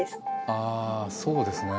あそうですね